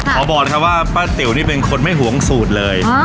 บอกนะครับว่าป้าติ๋วนี่เป็นคนไม่หวงสูตรเลย